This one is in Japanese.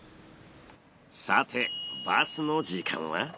さてバスの時間は？